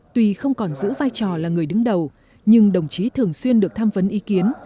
tuy không còn giữ vai trò là người đứng đầu nhưng đồng chí thường xuyên được tham vấn ý kiến